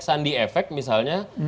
sandi efek misalnya